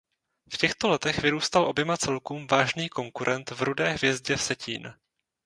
V těchto letech vyrůstal oběma celkům vážný konkurent v Rudé hvězdě Vsetín.